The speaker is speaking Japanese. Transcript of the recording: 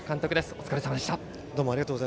お疲れさまでした。